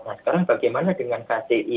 nah sekarang bagaimana dengan kci